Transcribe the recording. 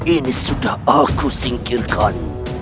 ini sudah aku singkirkan